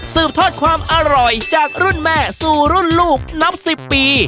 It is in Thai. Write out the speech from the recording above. ทอดความอร่อยจากรุ่นแม่สู่รุ่นลูกนับ๑๐ปี